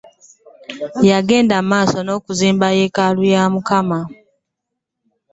Yagenda mumaaso n' okuzimba yekaalu ya Mukama .